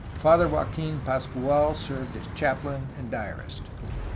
Father Joaquin Pascual served as chaplain and diarist.